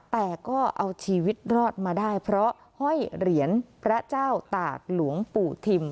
แต่ก็เอาชีวิตรอดมาได้เพราะห้อยเหรียญพระเจ้าตากหลวงปู่ทิม